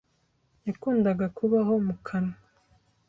Yakundaga kubaho mu kanwa.